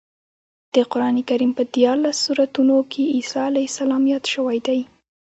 د قرانکریم په دیارلس سورتونو کې عیسی علیه السلام یاد شوی دی.